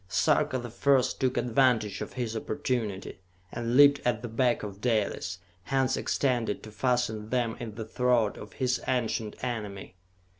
Sarka the First took advantage of his opportunity, and leaped at the back of Dalis, hands extended to fasten them in the throat of his ancient enemy.